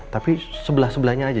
tapi sebelah sebelahnya aja